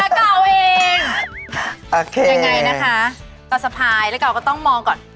ยังไงนะคะตัดสะพายแล้วกราวก็ต้องมองก่อน